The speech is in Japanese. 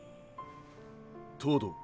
東堂。